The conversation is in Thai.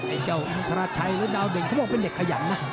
ไอ้เจ้าอินทราชัยหรือดาวเด่นเขาบอกเป็นเด็กขยันนะ